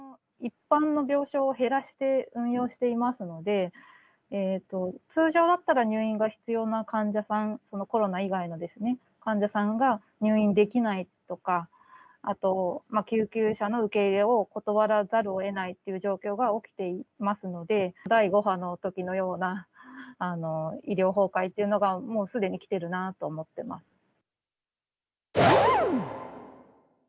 一般の病床を減らして運用していますので、通常だったら入院が必要な患者さん、コロナ以外のですね、患者さんが入院できないとか、あと救急車の受け入れを断らざるえないという状況が起きていますので、第５波のときのような医療崩壊というのが、もう、すでに来ているなぁと思ってます。